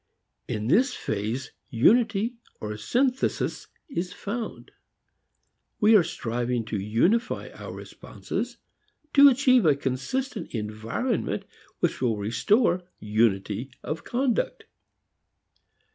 In this phase unity or synthesis is found. We are striving to unify our responses, to achieve a consistent environment which will restore unity of conduct.